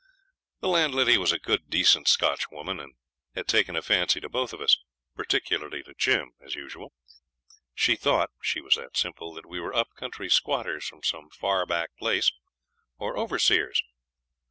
The landlady was a good, decent Scotch woman, and had taken a fancy to both of us (particularly to Jim as usual). She thought she was that simple that we were up country squatters from some far back place, or overseers.